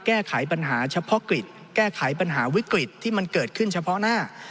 แก้ไขปัญหาเฉพาะกิจแก้ไขปัญหาวิกฤตที่มันเกิดขึ้นเฉพาะหน้า